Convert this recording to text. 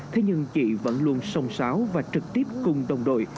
thế nhưng chị vẫn luôn sông sáo và trực tiếp cùng đồng đội